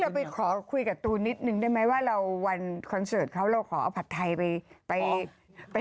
ไปขอคุยกับตูนนิดนึงได้ไหมว่าเราวันคอนเสิร์ตเขาเราขอเอาผัดไทยไปไป